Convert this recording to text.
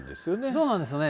そうなんですよね、